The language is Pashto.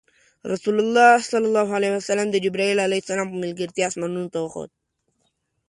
رسول الله د جبرایل ع په ملګرتیا اسمانونو ته وخوت.